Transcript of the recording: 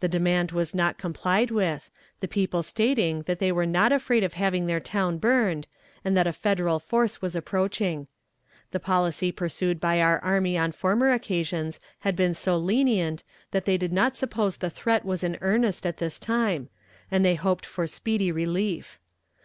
The demand was not complied with, the people stating that they were not afraid of having their town burned, and that a Federal force was approaching. The policy pursued by our army on former occasions had been so lenient that they did not suppose the threat was in earnest at this time, and they hoped for speedy relief.